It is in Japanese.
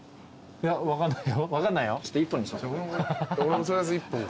いや分かんない。